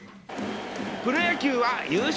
プロ野球は優勝